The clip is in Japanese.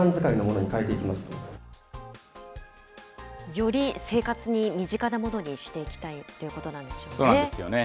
より生活に身近なものにしていきたいということなんでしょうそうなんですよね。